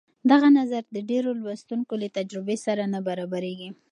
دغه نظر د ډېرو لوستونکو له تجربې سره نه برابرېږي.